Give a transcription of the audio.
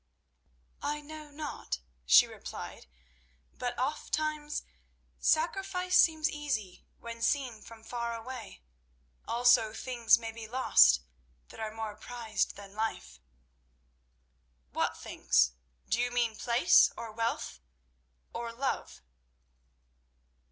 "I know not," she replied; "but oft times sacrifice seems easy when seen from far away; also, things may be lost that are more prized than life." "What things? Do you mean place, or wealth, or—love?"